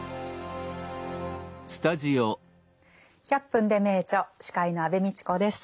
「１００分ｄｅ名著」司会の安部みちこです。